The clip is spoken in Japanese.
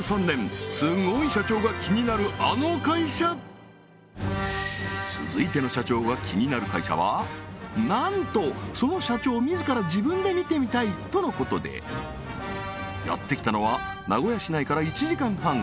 すぐ続いての社長が気になる会社はなんとその社長自ら自分で見てみたい！とのことでやってきたのは名古屋市内から１時間半